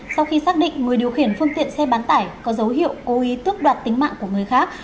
sau khi xác định người điều khiển phương tiện xe bán tải có dấu hiệu cố ý tước đoạt tính mạng của người khác